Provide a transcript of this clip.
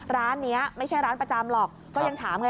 ร้านนี้ไม่ใช่ร้านประจำหรอกก็ยังถามไง